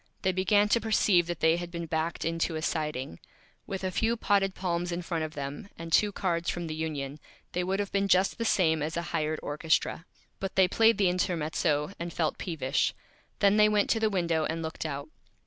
They began to Perceive that they had been backed into a Siding. With a few Potted Palms in front of them, and two Cards from the Union, they would have been just the same as a Hired Orchestra. But they played the Intermezzo and felt Peevish. Then they went to the Window and looked out.